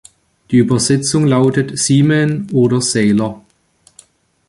Die Übersetzung lautet „Seaman“ oder „Sailor“.